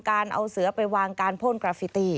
เอาเสือไปวางการพ่นกราฟิตี้